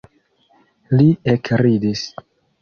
Li ekridis.